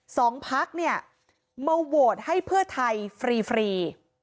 สองพักเนี่ยมาโหวตให้เพื่อไทยฟรีฟรี